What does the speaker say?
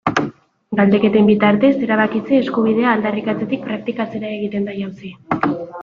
Galdeketen bitartez, erabakitze eskubidea aldarrikatzetik praktikatzera egiten da jauzi.